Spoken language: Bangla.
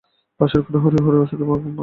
পাশের ঘরে হরিহর ঔষধের বশে ঘুমাইতেছে।